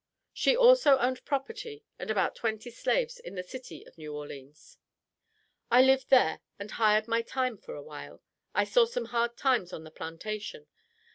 She also owned property and about twenty slaves in the city of New Orleans. "I lived there and hired my time for awhile. I saw some hard times on the plantation.